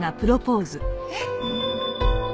えっ！？